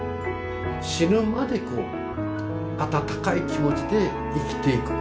死ぬまでこう温かい気持ちで生きていく。